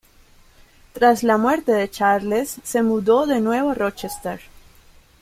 Tras la muerte de Charles se mudó de nuevo a Rochester.